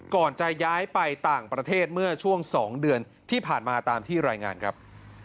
ก่อนจะย้ายไปต่างประเทศเมื่อช่วง๒เดือนที่ผ่านมาตามที่รายงานครับ